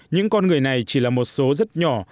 những con người này chỉ là một số rất nhỏ